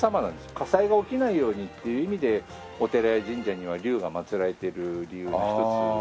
火災が起きないようにっていう意味でお寺や神社には竜が祭られている理由の一つですね。